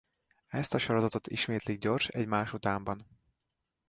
Ezt a sorozatot ismétlik gyors egymás utánban.